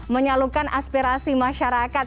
menyalurkan aspirasi masyarakat